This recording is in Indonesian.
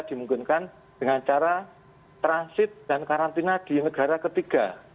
dimungkinkan dengan cara transit dan karantina di negara ketiga